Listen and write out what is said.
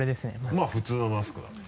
まぁ普通のマスクだね。